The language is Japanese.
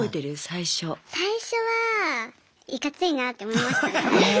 最初はいかついなって思いましたね。